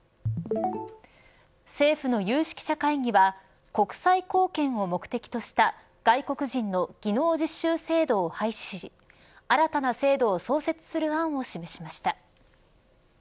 政府の有識者会議は国際貢献を目的とした外国人の技能実習制度を廃止し新たな制度を創設する案を示しました。